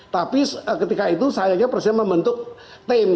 tapi ketika itu sayangnya presiden membentuk tim